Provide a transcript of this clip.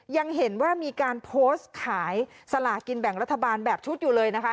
ยังเห็นว่ามีการโพสต์ขายสลากินแบ่งรัฐบาลแบบชุดอยู่เลยนะคะ